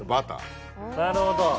なるほど。